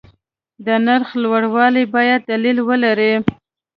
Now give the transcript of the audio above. د نرخ لوړوالی باید دلیل ولري.